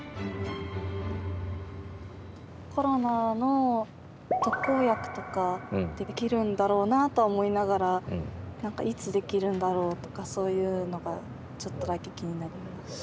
コロナの特効薬とかできるんだろなとは思いながら何かいつできるんだろうとかそういうのがちょっとだけ気になりました。